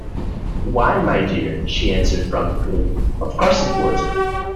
"Why, my dear," she answered promptly, "of course it would!"